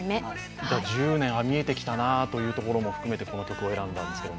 １０年が見えてきたなということも含めて、この曲を選んだんですけど。